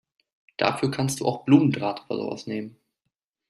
Dafür kannst du auch Blumendraht oder sowas nehmen.